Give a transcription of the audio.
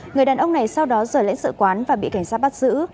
người đàn ông này sau đó rời lãnh sự quán và bị cảnh sát bắt giữ